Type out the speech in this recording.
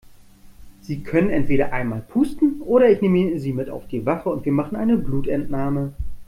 Sie können entweder einmal pusten oder ich nehme Sie mit auf die Wache und wir machen eine Blutentnahme.